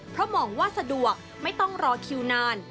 เพราะมองว่าสะดวกไม่ต้องรอคิวนาน